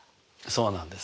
そうなんです。